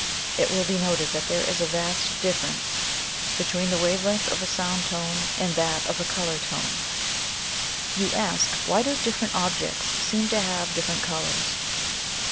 It will be noted that there is a vast dif ference between the wave length of a sound tone and that of a color tone. You ask, why do different objects seem to have different colors